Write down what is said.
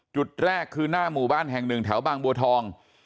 จุดแรกคือหน้าหมู่บ้านแห่งหนึ่งแถวบางบัวทอง